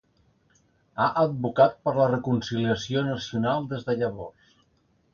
Ha advocat per la reconciliació nacional des de llavors.